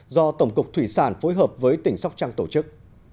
do tổng cục thủy sản phối hợp với tỉnh sóc trăng tổ chức